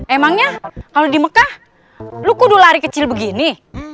emangnya kalo di mekah lu kudu lari kecil begini